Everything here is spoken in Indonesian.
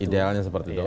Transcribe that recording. idealnya seperti itu